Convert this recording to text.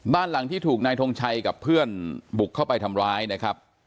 บ้านหลังที่ถูกนายทงชัยกับเพื่อนบุกเข้าไปทำร้ายนะครับ